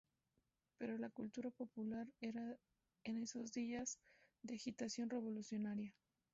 Pero la cultura popular era en esos días de agitación revolucionaria.